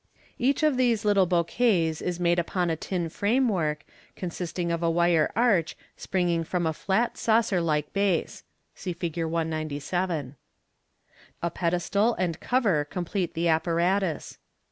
Each of these little bouquets is made upon a tin framework, consisting of a wire arch springing from a flat saucer like base. (See Fig. 197.) A pedestal and cover complete the apparatus.